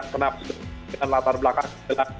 dengan latar belakang